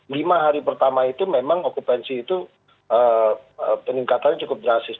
lima hari pertama itu memang okupansi itu peningkatannya cukup drastis